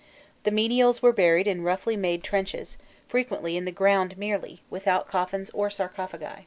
The menials were buried in roughly made trenches, frequently in the ground merely, without coffins or sarcophagi.